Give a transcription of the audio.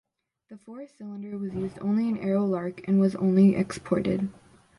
The four-cylinder was used only in Aero Lark and was only exported.